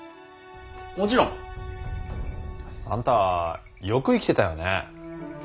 もちろん。あんたよく生きてたよね。